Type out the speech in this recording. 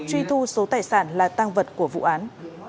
truy thu số tài sản là tăng vật của vụ án